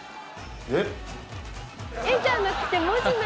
えっ？